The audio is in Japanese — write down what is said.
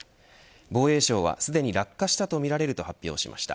防衛省は、すでに落下したとみられると発表しました。